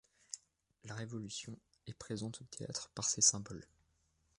La révolution est présente au théâtre par ses symboles.